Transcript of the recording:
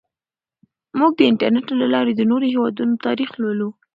موږ د انټرنیټ له لارې د نورو هیوادونو تاریخ لولو.